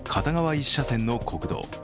１車線の国道。